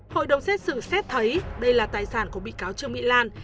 hội đồng xét xử xét thấy đây là tài sản của bị cáo trương mỹ lan